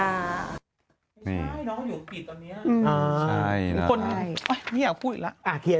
ไม่ใช่น้องเขาอยู่ปิดตอนนี้